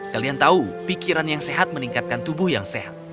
kalian tahu pikiran yang sehat meningkatkan tubuh yang sehat